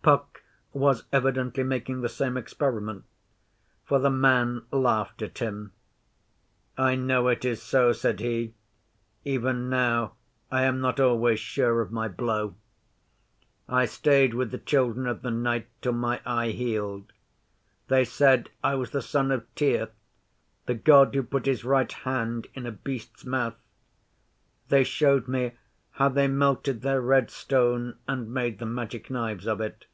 Puck was evidently making the same experiment, for the man laughed at him. 'I know it is so,' said he. 'Even now I am not always sure of my blow. I stayed with the Children of the Night till my eye healed. They said I was the son of Tyr, the God who put his right hand in a Beast's mouth. They showed me how they melted their red stone and made the Magic Knives of it.